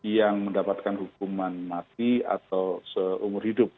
yang mendapatkan hukuman mati atau seumur hidup